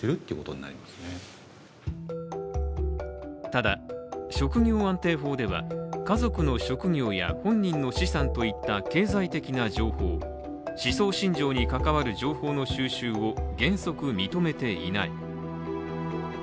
ただ、職業安定法では家族の職業や本人の資産といった経済的な情報、思想信条に関わる情報の収集を原則認めていない。